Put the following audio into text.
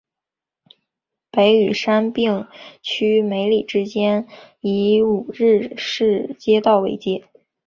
北与杉并区梅里之间以五日市街道为界。